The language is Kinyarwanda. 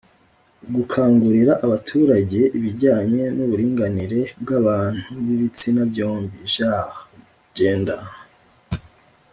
gukangurira abaturage ibijyanye n'uburinganire bw'abantu b'ibitsina byombi (genre/gender)